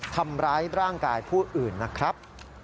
ทำร้ายร่างกายผู้อื่นนะครับ